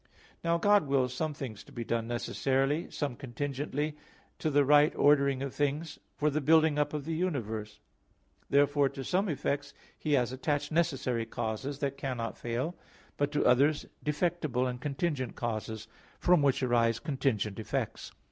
Now God wills some things to be done necessarily, some contingently, to the right ordering of things, for the building up of the universe. Therefore to some effects He has attached necessary causes, that cannot fail; but to others defectible and contingent causes, from which arise contingent effects.